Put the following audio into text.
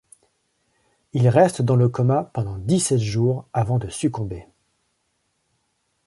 Il reste dans le coma pendant dix-sept jours avant de succomber.